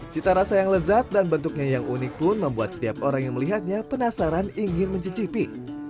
cita rasa yang lezat dan bentuknya yang unik pun membuat setiap orang yang melihatnya penasaran ingin mencicipi